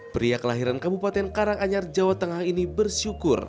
pria kelahiran kabupaten karanganyar jawa tengah ini bersyukur